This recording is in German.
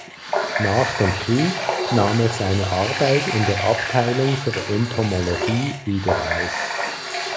Nach dem Krieg nahm er seine Arbeit in der Abteilung für Entomologie wieder auf.